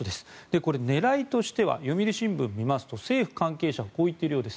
これ、狙いとしては読売新聞を見ますと政府関係者はこう言っているようです。